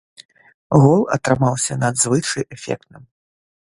Гол атрымаўся надзвычай эфектным!